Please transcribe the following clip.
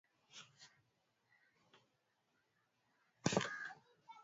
Jacob asingekua makini huenda chochote kingemtokea